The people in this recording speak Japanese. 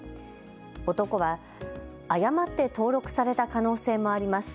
男は誤って登録された可能性もあります。